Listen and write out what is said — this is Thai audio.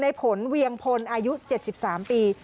ผลเวียงพลอายุ๗๓ปี